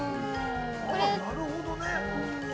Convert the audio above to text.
◆なるほどね。